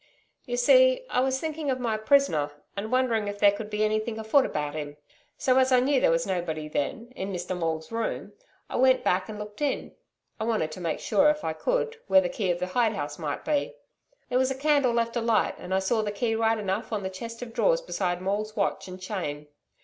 'You see I was thinking of my prisoner, and wondering if there could be anything afoot about him. So as I knew there was nobody then in Mr Maule's room, I went back and looked in. I wanted to make sure, if I could, where the key of the hide house might be. There was a candle left alight, and I saw the key right enough on the chest of drawers beside Maule's watch and chain.